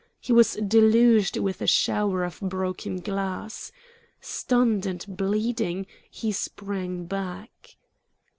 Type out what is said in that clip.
He was deluged with a shower of broken glass. Stunned and bleeding, he sprang back.